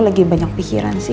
lagi banyak pikiran sih